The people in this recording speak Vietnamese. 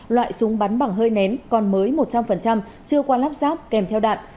loại súng bắn bằng hơi nén còn mới một trăm linh chưa qua lắp ráp kèm theo đạn